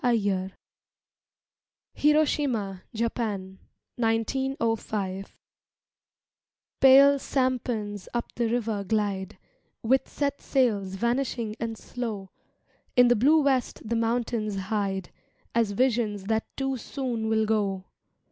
MAYA (HIROSHIMA, JAPAN, 1905) Pale sampans up the river glide, With set sails vanishing and slow; In the blue west the mountains hide, As visions that too soon will go.